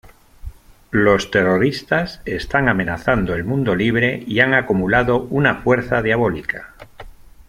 Los terroristas están amenazando el mundo libre y han acumulado una fuerza diabólica.